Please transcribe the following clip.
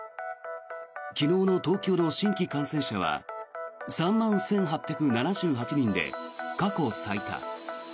昨日の東京の新規感染者は３万１８７８人で過去最多。